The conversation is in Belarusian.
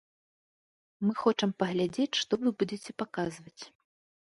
Мы хочам паглядзець, што вы будзеце паказваць.